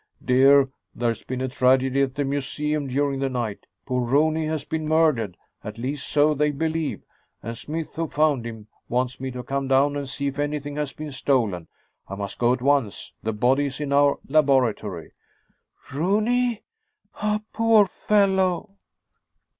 "Dear, there's been a tragedy at the museum during the night. Poor Rooney has been murdered at least so they believe and Smythe, who found him, wants me to come down and see if anything has been stolen. I must go at once. The body is in our laboratory." "Rooney? Ah, poor fellow."